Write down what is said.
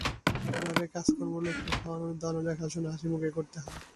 ঘরে কাজকর্ম, লোককে খাওয়ানো-দাওয়ানো, দেখাশুনো হাসিমুখেই করতে হয়।